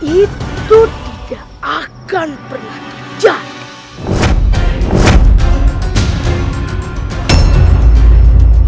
itu tidak akan pernah terjadi